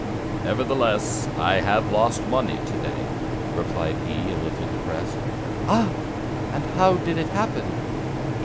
"Nevertheless, I have lost money to day," replied he, a little depressed. "Ah! and how did it happen?"